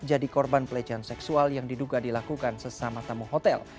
jadi korban pelecehan seksual yang diduga dilakukan sesama tamu hotel